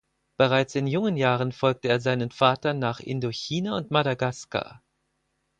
Bereits in jungen Jahren folgte er seinen Vater nach Indochina und Madagaskar.